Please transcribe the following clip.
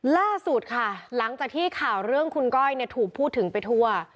ล่าสุดค่ะหลังจากที่ข่าวเรื่องคุณก้อยถูกพูดถึงไปทั่ว